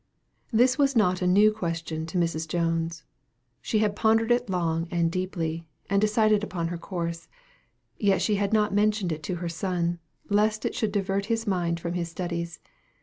This was not a new question to Mrs. Jones. She had pondered it long and deeply, and decided upon her course; yet she had not mentioned it to her son, lest it should divert his mind from his studies.